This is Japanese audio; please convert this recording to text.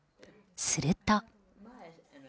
すると。